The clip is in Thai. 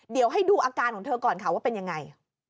เดี๋ยวให้ดูอาการของเธอก่อนค่ะว่าเป็นยังไง